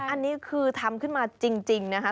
อันนี้คือทำขึ้นมาจริงนะคะ